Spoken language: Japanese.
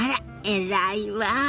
偉いわ。